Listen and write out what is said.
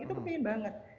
itu kepingin banget